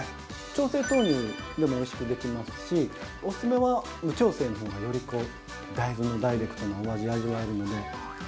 調製豆乳でもおいしくできますしオススメは無調製の方が大豆のダイレクトな味を味わえるので。